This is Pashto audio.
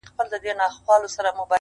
د هر چا چي وي په لاس کي تېره توره-